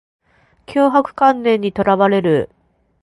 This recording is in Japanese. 強迫観念にとらわれる